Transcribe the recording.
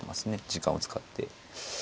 時間を使って。